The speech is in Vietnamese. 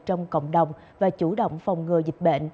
trong cộng đồng và chủ động phòng ngừa dịch bệnh